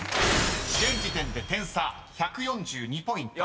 ［現時点で点差１４２ポイント］